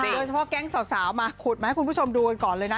โดยเฉพาะแก๊งสาวมาขุดมาให้คุณผู้ชมดูกันก่อนเลยนะ